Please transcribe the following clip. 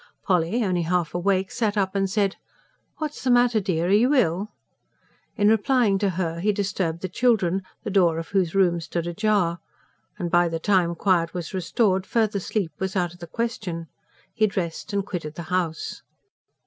Polly, only half awake, sat up and said: "What's the matter, dear? Are you ill?" In replying to her he disturbed the children, the door of whose room stood ajar; and by the time quiet was restored, further sleep was out of the question. He dressed and quitted the house.